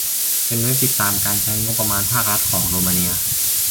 เป็นเว็บติดตามการใช้งบประมาณภาครัฐของโรมาเนีย